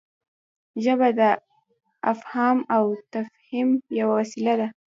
ژبه د افهام او تفهیم یوه وسیله ده.